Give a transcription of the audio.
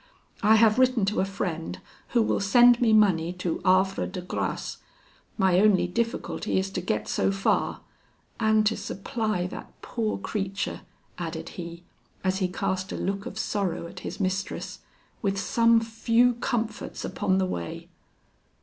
I have written to a friend, who will send me money to Havre de Grace. My only difficulty is to get so far, and to supply that poor creature," added he, as he cast a look of sorrow at his mistress, "with some few comforts upon the way."